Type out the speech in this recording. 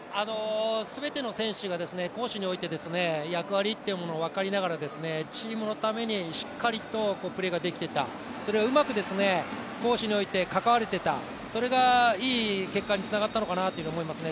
すべての選手が攻守において役割というのを分かりながらチームのためにしっかりとプレーができていた、それをうまく攻守において関われていた、それがいい結果につながったのかなと思いますね